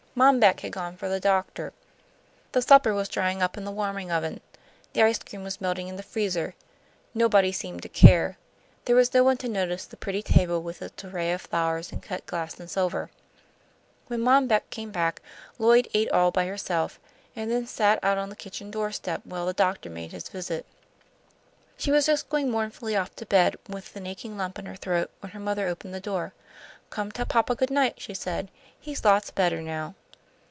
Mom Beck had gone for the doctor. The supper was drying up in the warming oven. The ice cream was melting in the freezer. Nobody seemed to care. There was no one to notice the pretty table with its array of flowers and cut glass and silver. When Mom Beck came back, Lloyd ate all by herself, and then sat out on the kitchen door step while the doctor made his visit. She was just going mournfully off to bed with an aching lump in her throat, when her mother opened the door. "Come tell papa good night," she said. "He's lots better now."